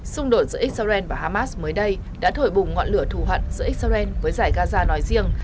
xung đột giữa israel và hamas mới đây đã thổi bùng ngọn lửa thù hận giữa israel với giải gaza nói riêng